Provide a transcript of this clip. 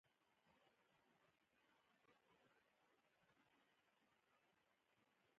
له مذهب سره چلند عواملو څخه ګڼل کېږي.